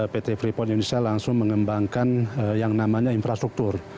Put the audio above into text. pt freeport indonesia langsung mengembangkan yang namanya infrastruktur